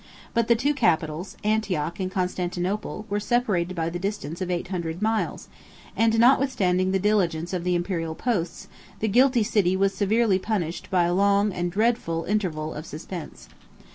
85 But the two capitals, Antioch and Constantinople, were separated by the distance of eight hundred miles; and, notwithstanding the diligence of the Imperial posts, the guilty city was severely punished by a long and dreadful interval of suspense.